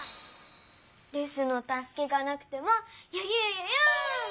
レスのたすけがなくてもよゆうよゆう！